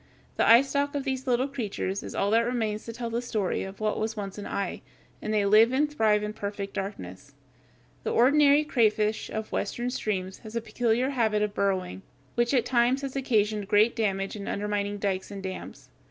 The eyestalk of these little creatures is all that remains to tell the story of what was once an eye, and they live and thrive in perfect darkness. The ordinary crayfish of Western streams has a peculiar habit of burrowing, which at times has occasioned great damage in undermining dikes and dams.